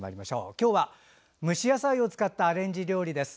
今日は蒸し野菜を使ったアレンジ料理です。